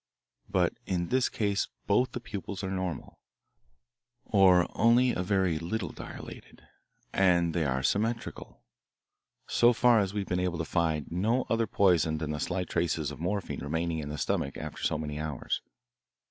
But in this case both the pupils are normal, or only a very little dilated, and they are symmetrical. So far we have been able to find no other poison than the slight traces of morphine remaining in the stomach after so many hours.